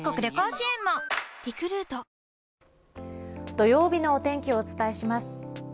土曜日のお天気をお伝えします。